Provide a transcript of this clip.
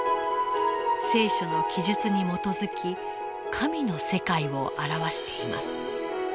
「聖書」の記述に基づき神の世界を表しています。